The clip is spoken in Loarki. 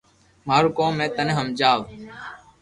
مارو ڪوم ھي ٿني ھمجاو